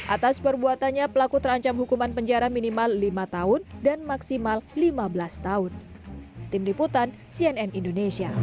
atas perbuatannya pelaku terancam hukuman penjara minimal lima tahun dan maksimal lima belas tahun